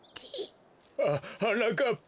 ははなかっぱ。